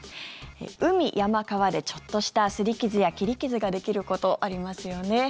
海、山、川でちょっとしたすり傷や切り傷ができることありますよね。